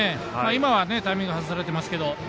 今はタイミング外されてますけど。